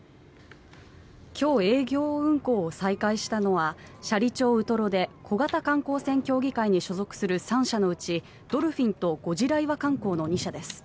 今日、営業運航を再開したのは斜里町ウトロで小型観光船協議会に所属する３社のうちドルフィンとゴジラ岩観光の２社です。